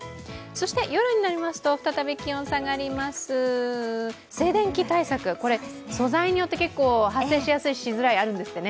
夜になりますと、再び気温が下がります、静電気対策素材によって発生しやすい、しづらい、あるんですってね。